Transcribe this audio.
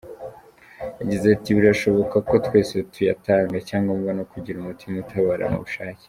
Yagize ati « birashoboka ko twese tuyatanga, icyangombwa ni ukugira umutima utabara n’ubushake».